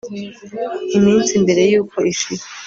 iminsi mbere yuko ishira